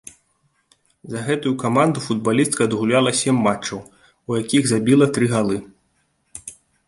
За гэтую каманду футбалістка адгуляла сем матчаў, у якіх забіла тры галы.